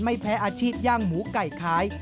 ไม่แพ้อาชีพย่างหมูไก่ขาย